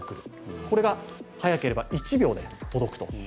これが早ければ１秒で届くと。